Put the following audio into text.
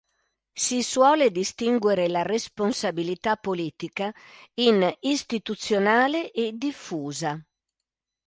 Si suole distinguere la responsabilità politica in istituzionale e diffusa.